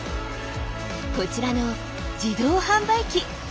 こちらの自動販売機。